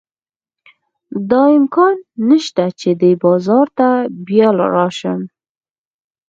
دا امکان نه شته چې دې بازار ته بیا راشم.